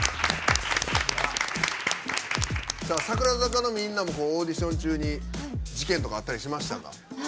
櫻坂のみんなもオーディション中に事件とかあったりしましたか？